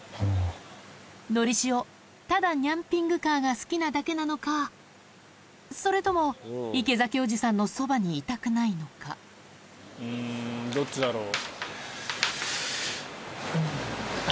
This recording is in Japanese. のりしおただニャンピングカーが好きなだけなのかそれとも池崎おじさんのそばにいたくないのかどっちだろう？